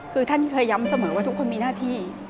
คือท่านเคยย้ำเสมอว่าทุกคนมีหน้าที่